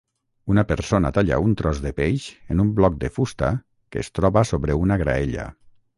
Una persona talla un tros de peix en un bloc de fusta que es troba sobre una graella